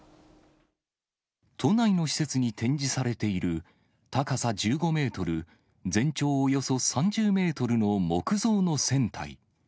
都内の施設に展示されている高さ１５メートル、全長およそ３０メートルの木造の船体。